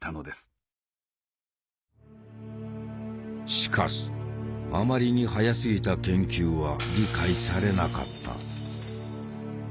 しかしあまりに早すぎた研究は理解されなかった。